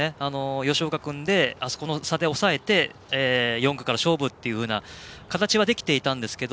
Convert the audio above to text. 吉岡君で、あそこの差で抑えて４区から勝負という形はできていたんですけど